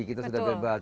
kita sudah bebas